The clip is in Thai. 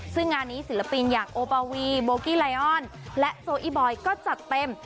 ซึ่งงานนี้ศิลปินอย่างโอบาวีโบกี้ไลออนและโซอีบอยก็จัดเต็ม